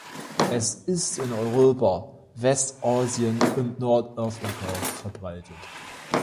Es ist in Europa, Westasien und in Nordafrika verbreitet.